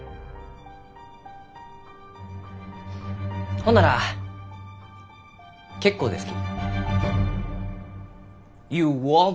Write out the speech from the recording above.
ほんなら結構ですき。